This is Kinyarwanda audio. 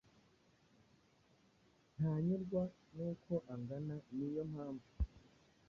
ntanyurwa n’uko angana niyo mpamvu